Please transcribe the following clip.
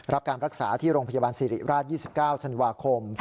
รับการรักษาที่โรงพยาบาลสิริราช๒๙ธันวาคม